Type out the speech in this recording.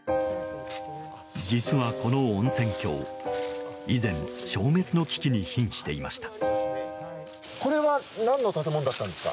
実はこの温泉郷、以前消滅の危機に瀕していました。